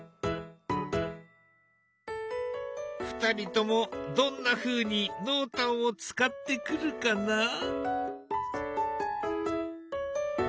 ２人ともどんなふうに濃淡を使ってくるかな？